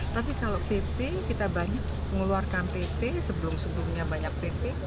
tapi kalau pp kita banyak mengeluarkan pp sebelum sebelumnya banyak pp